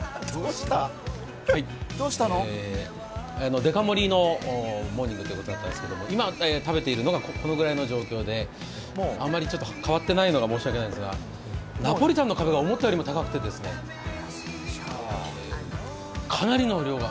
でか盛りのモーニングということだったんですけれども今、食べているのがこのぐらいの状況であまりちょっと変わってないのが申し訳ないのですが、ナポリタンの壁が思ったよりも高くてですね、かなりの量が。